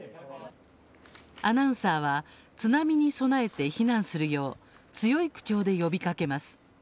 アナウンサーは津波に備えて避難するよう強い口調で呼びかけます。